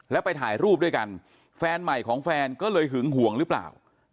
แล้วไปถ่ายรูปด้วยกันแฟนใหม่ของแฟนก็เลยหึงห่วงหรือเปล่า